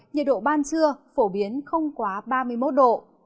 nhiệt độ ban trưa phổ biến không quá ba mươi một độ